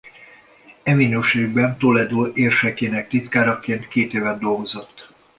E minőségében Toledo érsekének titkáraként két évet dolgozott.